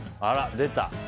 出た！